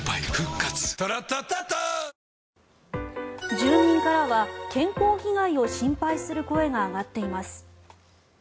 住民からは健康被害を心配する声が上がっています。